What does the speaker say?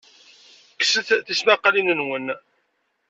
Kkset tismaqqalin-nwen.